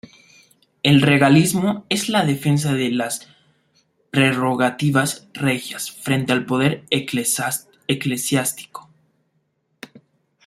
El regalismo es la defensa de las prerrogativas regias frente al poder eclesiástico.